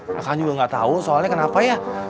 mereka juga gak tau soalnya kenapa ya